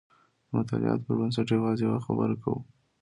د مطالعاتو پر بنسټ یوازې یوه خبره کوو.